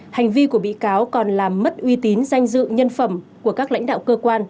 hành vi của bị cáo còn làm mất uy tín danh dự nhân phẩm của các lãnh đạo cơ quan